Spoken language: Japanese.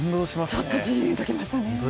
ちょっとジーンときましたね。